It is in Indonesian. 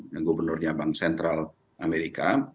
yang gubernurnya bank sentral amerika